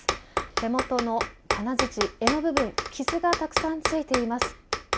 手元の金づち柄の部分傷がたくさんついています。